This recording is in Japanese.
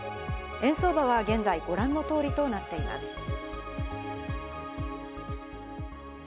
円相場は現在ご覧の通りとなっています。